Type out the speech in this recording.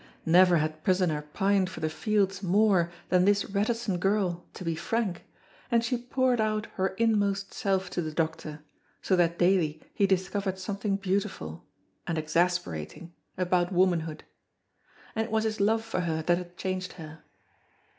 Never had prisoner pined for the fields more than this reticent girl to be frank, and she poured out her inmost self to the doctor, so that daily he discovered something beautiful (and exasperating) about womanhood. And it was his love for her that had changed her.